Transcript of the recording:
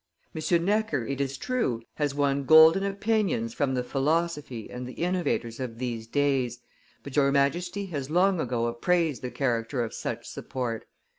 M. Necker, it is true, has won golden opinions from the philosophy and the innovators of these days, but your Majesty has long ago appraised the character of such support.